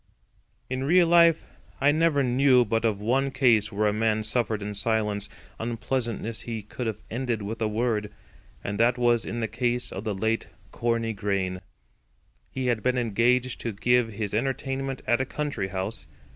In real life I never knew but of one case where a man suffered in silence unpleasantness he could have ended with a word; and that was the case of the late Corney Grain. He had been engaged to give his entertainment at a country house.